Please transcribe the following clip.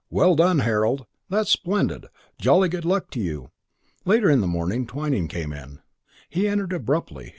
Well done, Harold. That's splendid. Jolly good luck to you." Later in the morning Twyning came in. He entered abruptly.